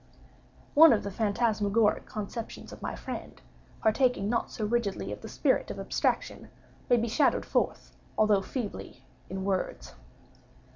One of the phantasmagoric conceptions of my friend, partaking not so rigidly of the spirit of abstraction, may be shadowed forth, although feebly, in words.